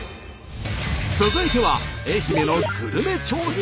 続いては愛媛のグルメ調査！